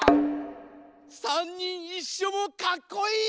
さんにんいっしょもかっこいい！